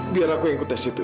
biar aku yang ikut tes itu